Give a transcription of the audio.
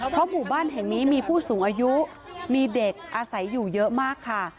เพราะหมู่บ้านแห่งนี้มีผู้สูงอายุมีเด็กอาศัยอยู่เยอะมากค่ะ